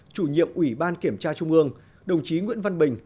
chủ nhiệm ủy ban kiểm tra trung ương đồng chí nguyễn văn bình